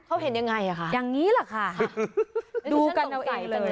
เขาเห็นยังไงอ่ะคะอย่างนี้แหละค่ะดูกันเอาเองเลย